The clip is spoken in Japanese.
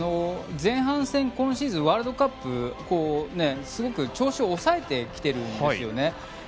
前半戦、今シーズンワールドカップすごく調子を抑えてきているんですよね。